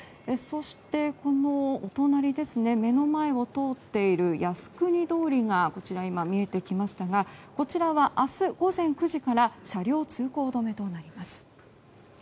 そして、このお隣目の前を通っている靖国通りが見えてきましたがこちらは明日午前９時から車両通行止めとなります。